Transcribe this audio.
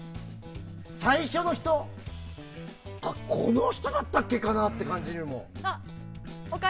最初の人、この人だったっけかなっていう感じにも。